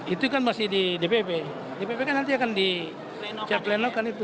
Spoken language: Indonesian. itu kan masih di dpp dpp kan nanti akan di plenokan itu